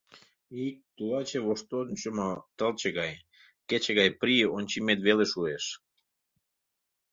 И-к, тулаче, воштончымо тылче гай, кече гай при ончимет веле шуэш...